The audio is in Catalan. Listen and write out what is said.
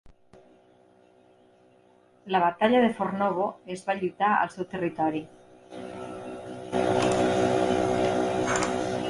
La Batalla de Fornovo es va lluitar al seu territori.